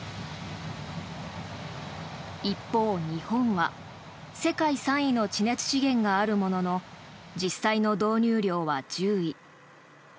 一方、日本は世界３位の地熱資源があるものの実際の導入量は１０位。